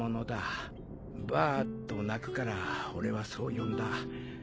バアと鳴くから俺はそう呼んだ。